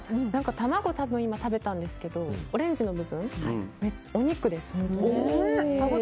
卵を多分、今食べたんですけどオレンジの部分お肉です、本当に。